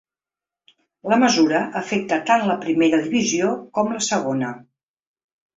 La mesura afecta tant la primera divisió com la segona.